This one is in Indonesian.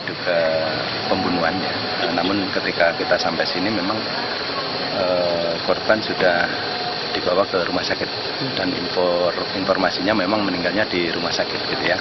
namun ketika kita sampai sini memang korban sudah dibawa ke rumah sakit dan informasinya memang meninggalnya di rumah sakit